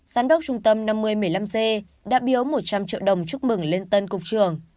giám đốc trung tâm năm mươi một mươi năm c đã biếu một trăm linh triệu đồng chúc mừng lên tân cục trưởng